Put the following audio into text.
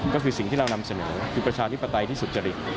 ก็คือสิ่งที่เรานำเสนอคือประชาธิปไตยที่สุจริต